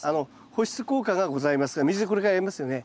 保湿効果がございますが水これからやりますよね。